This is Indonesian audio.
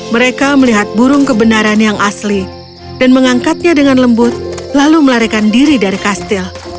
mereka melihat burung kebenaran yang asli dan mengangkatnya dengan lembut lalu melarikan diri dari kastil